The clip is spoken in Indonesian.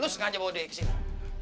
lo sengaja bawa duit ke sini